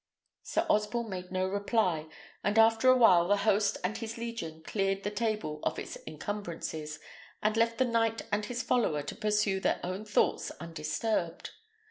Sir Osborne made no reply; and, after a while, the host and his legion cleared the table of its encumbrances, and left the knight and his follower to pursue their own thoughts undisturbed.